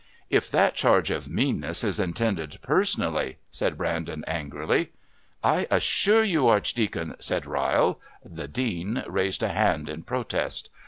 "If that charge of meanness is intended personally,..." said Brandon angrily. "I assure you, Archdeacon,..." said Ryle. The Dean raised a hand in protest.